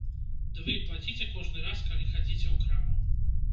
Ды вы і плаціце кожны раз, калі хадзіце ў краму.